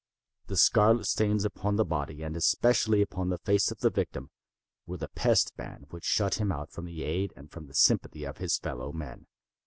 The scarlet stains upon the body and especially upon the face of the victim, were the pest ban which shut him out from the aid and from the sympathy of his fellow men.